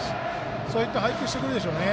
そういった配球をしてくるでしょうね。